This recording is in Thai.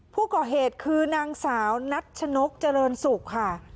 ผู้ก่อเหตุคือนางสาวนัชนกเจริญสุขค่ะ